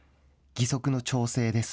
義足の調整です。